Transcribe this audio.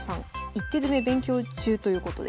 一手詰勉強中ということで。